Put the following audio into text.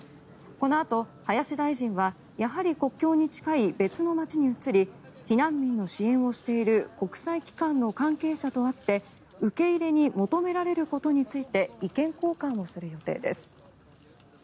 このあと林大臣はやはり国境に近い別の街に移り避難民の支援をしている国際機関の関係者と会って受け入れに求められることについて意見交換をする予定です。